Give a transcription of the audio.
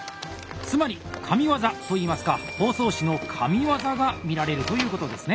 つまり紙技といいますか包装紙の神業が見られるということですね！